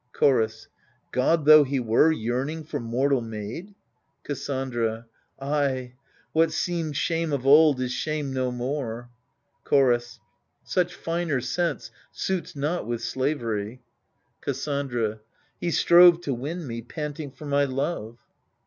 Chorus God though he were, yearning for mortal maid ? Cassandra Ay! what seemed shame of old is shame no more. Chorus Such finer sense suits not with slavery. Cassandra He strove to win me, panting for my love.